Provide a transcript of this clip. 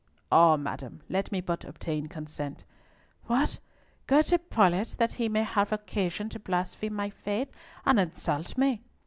"Ah, madam! Let me but obtain consent." "What! go to Paulett that he may have occasion to blaspheme my faith and insult me!"